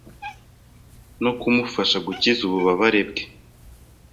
no kumufasha gukiza ububabare bwe ...